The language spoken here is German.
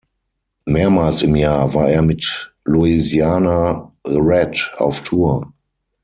Mehrmals im Jahr war er mit Louisiana Red auf Tour.